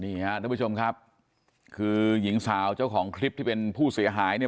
ท่านผู้ชมครับคือหญิงสาวเจ้าของคลิปที่เป็นผู้เสียหายเนี่ย